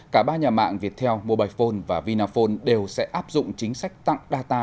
cả ba nhà mạng viettel mobilephone và vinaphone đều sẽ áp dụng chính sách tặng data